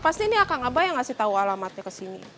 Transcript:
pasti nih akan ngabay yang ngasih tau alamatnya ke sini